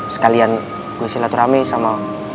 sekalian gue silat rame sama